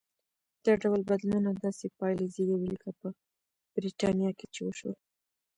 دا ډول بدلونونه داسې پایلې زېږوي لکه په برېټانیا کې چې وشول.